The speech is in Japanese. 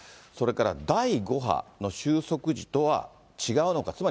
それから第５波の収束時とは、違うのか。